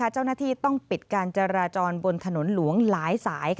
เจ้าหน้าที่ต้องปิดการจราจรบนถนนหลวงหลายสาย